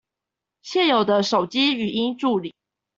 現有的手機語音助理